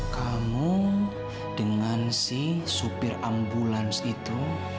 kamu dengan si supir ambulans itu